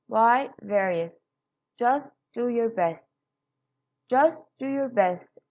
Just Do Your Best Just do your best.